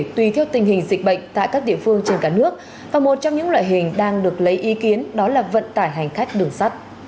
tùy theo tình hình dịch bệnh tại các địa phương trên cả nước và một trong những loại hình đang được lấy ý kiến đó là vận tải hành khách đường sắt